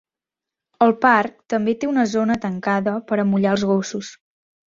El parc també té una zona tancada per amollar els gossos.